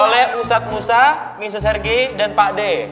oleh ustadz musa mrs hergi dan pak d